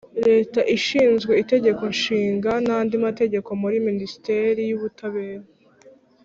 Leta ishinzwe Itegeko Nshinga n andi mategeko muri Minisiteri y Ubutabera